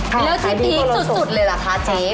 แล้วที่พีคสุดเลยล่ะค่ะเจ๊